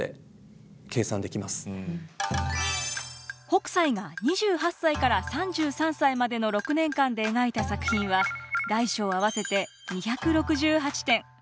北斎が２８歳から３３歳までの６年間で描いた作品は大小合わせて２６８点。